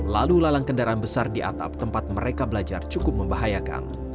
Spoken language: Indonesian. lalu lalang kendaraan besar di atap tempat mereka belajar cukup membahayakan